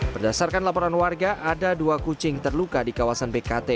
berdasarkan laporan warga ada dua kucing terluka di kawasan bkt